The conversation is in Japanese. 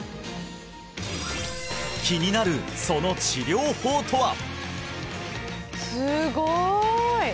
気になるその治療法とは！？